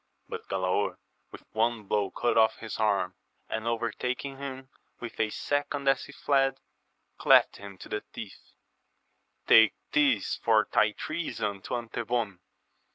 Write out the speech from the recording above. But Galaor with one blow cut off his arm, and overtaking him with a second as he fled, cleft him to the teeth : Take this for thy treason to Antebon